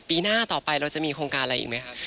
ปีหน้าต่อไปเราจะมีโครงการอะไรอีกไหมคะ